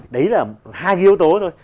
đấy là hai yếu tố thôi